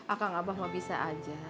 akang abah mau bisa aja